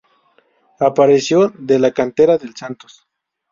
Apareció de la cantera del Santos.